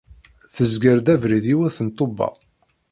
Tezger-d abrid yiwet n ṭṭubba.